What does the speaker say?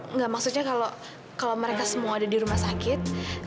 enggak maksudnya kalau mereka semua ada di rumah sakit